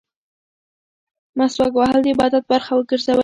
مسواک وهل د عبادت برخه وګرځوئ.